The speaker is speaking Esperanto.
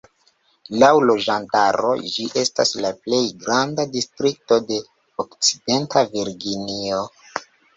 Laŭ loĝantaro ĝi estas la plej granda distrikto de Okcidenta Virginio.